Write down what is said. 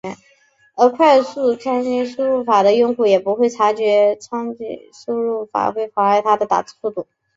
而快速仓颉输入法的用户也不会察觉仓颉输入法会妨碍他的打字速度。